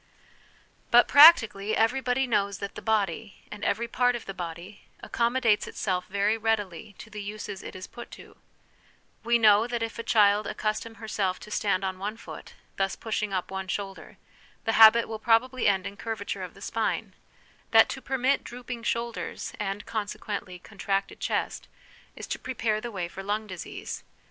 But, practically, every body knows that the body, and every part of the body, accommodates itself very readily to the uses it is put to: we know that if a child accustom herself to stand on one foot, thus pushing up one shoulder, the habit will probably end in curvature of the spine ; that to permit drooping shoulders, and, consequently, con tracted chest, is to prepare the way for lung disease.